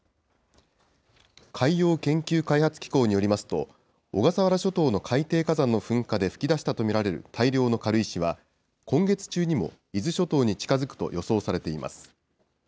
海洋研究開発機構によりますと、小笠原諸島の海底火山の噴火で噴き出したと見られる大量の軽石は、今月中にも伊豆諸島に近づくと予想されています。